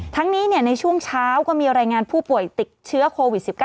ทั้งนี้ในช่วงเช้าก็มีรายงานผู้ป่วยติดเชื้อโควิด๑๙